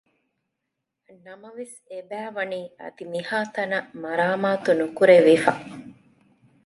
ނަމަވެސް އެބައިވަނީ އަދި މިހާތަނަށް މަރާމާތު ނުކުރެވިފަ